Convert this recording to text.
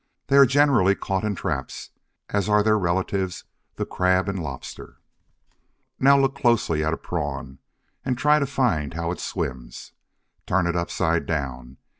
They are generally caught in traps, as are their relatives, the crab and lobster. Now look closely at a Prawn, and try to find how it swims. Turn it upside down.